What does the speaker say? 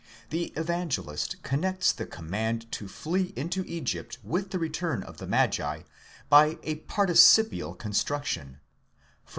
The Evangelist con nects the command to flee into Egypt with the return of the magi, by a participial construction (v.